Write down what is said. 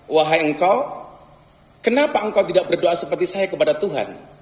wahai engkau kenapa engkau tidak berdoa seperti saya kepada tuhan